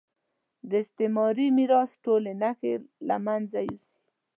د استعماري میراث ټولې نښې له مېنځه یوسي.